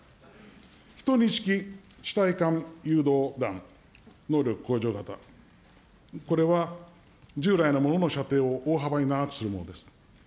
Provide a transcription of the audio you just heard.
１２式地対艦誘導弾能力向上型、これは従来のものの射程を大幅に長くするものです。